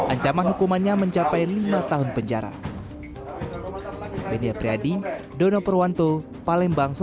ancaman hukumannya mencapai lima tahun penjara